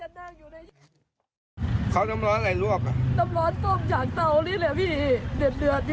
พี่เขาหลอนเขาหาว่าหนูไม่เล่นชู